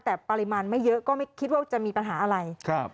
แต่ปริมาณไม่เยอะก็ไม่คิดว่าจะมีปัญหาอะไรครับ